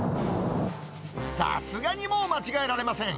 さすがにもう間違えられません。